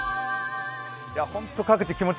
本当に各地気持ち